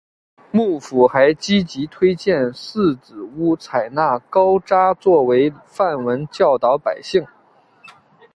幕府还积极推荐寺子屋采纳高札作为范文教导百姓。